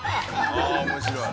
ああ面白い。